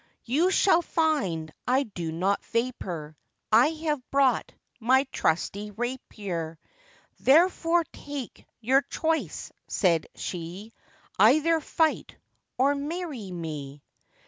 'You shall find I do not vapour, I have brought my trusty rapier; Therefore, take your choice,' said she, 'Either fight or marry me.